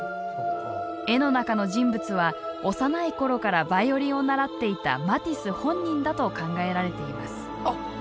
絵の中の人物は幼い頃からヴァイオリンを習っていたマティス本人だと考えられています。